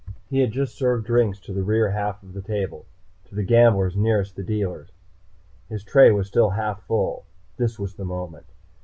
He had just served drinks to the rear, half of the table, to the gamblers nearest the dealers. His tray was still half full. This was the moment.